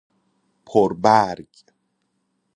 پر برگ